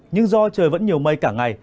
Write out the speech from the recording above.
nhưng do trời vẫn nhiều mây cả ngày